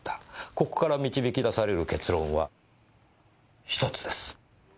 ここから導き出される結論は１つです。